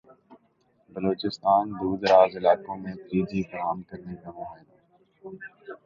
بلوچستان دوردراز علاقوں میں تھری جی فراہم کرنے کا معاہدہ